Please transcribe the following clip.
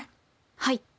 はい。